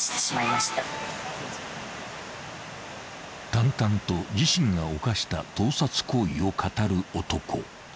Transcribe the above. ［淡々と自身が犯した盗撮行為を語る男］